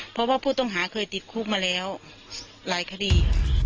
เพราะว่าผู้ต้องหาเคยติดคุกมาแล้วหลายคดี